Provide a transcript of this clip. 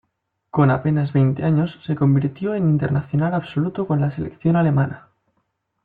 Con apenas veinte años se convirtió en internacional absoluto con la selección alemana.